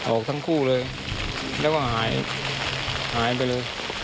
ออกทั้งคู่เลยแล้วก็หายหายไปเลย